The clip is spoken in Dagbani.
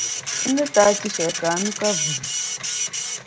N ni ti a tiʼshɛli ka a nyu, ka vuhi.